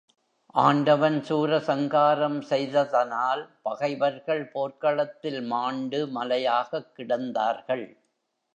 ஆண்டவன் சூரசங்காரம் செய்ததனால் பகைவர்கள் போர்க்களத்தில் மாண்டு மலையாகக் கிடந்தார்கள்.